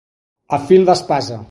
A fil d'espasa.